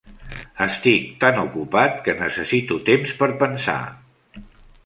Estic tan ocupat que necessito temps per pensar.